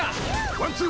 ワンツー！